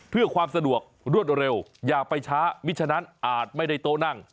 เพื่อความสะดวกรวดเร็วอย่าไปช้ามิฉะนั้นอาจไม่ได้โต๊ะนั่ง